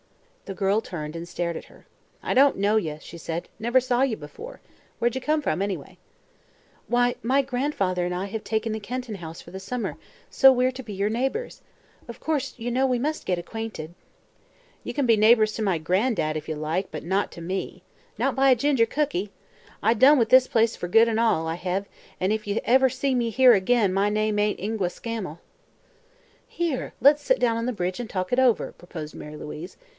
The girl turned and stared at her. "I don't know ye," said she. "Never saw ye before. Where'd ye come from anyway?" "Why, my grandfather and I have taken the Kenton house for the summer, so we're to be your neighbors. Of course, you know, we must get acquainted." "Ye kin be neighbors to my Gran'dad, if ye like, but not to me. Not by a ginger cookie! I've done wi' this place fer good an' all, I hev, and if ye ever see me here ag'in my name ain't Ingua Scammel!" "Here; let's sit down on the bridge and talk it over," proposed Mary Louise.